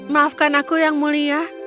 maafkan aku yang mulia